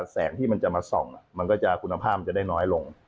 แสงที่มันจะมาส่องมันก็จะคุณภาพมันจะได้น้อยลง